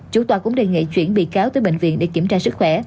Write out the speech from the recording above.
chủ tòa cũng đề nghị chuyển bị cáo tới bệnh viện để kiểm tra sức khỏe